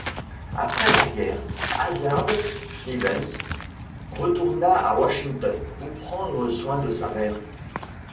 Après la guerre, Hazard Stevens retourna à Washington pour prendre soin de sa mère.